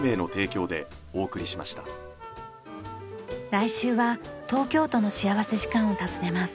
来週は東京都の幸福時間を訪ねます。